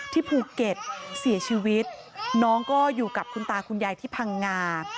ภูเก็ตเสียชีวิตน้องก็อยู่กับคุณตาคุณยายที่พังงา